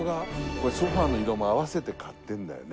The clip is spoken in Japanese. これソファの色も合わせて買ってんだよね